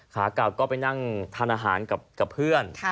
ขาเก่าก็ไปนั่งทานอาหารกับเพื่อน